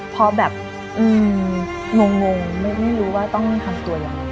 เพราะแบบงงไม่รู้ว่าต้องทำตัวยังไง